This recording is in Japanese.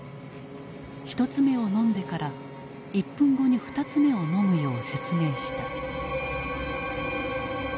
１つ目を飲んでから１分後に２つ目を飲むよう説明した。